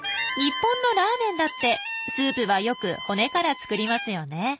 日本のラーメンだってスープはよく骨から作りますよね。